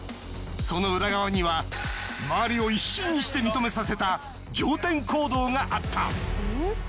その裏側には周りを一瞬にして認めさせた仰天行動があった。